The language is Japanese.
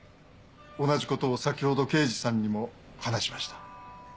同じことを先ほど刑事さんにも話しました。